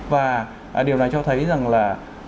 và điều này cho thấy rằng là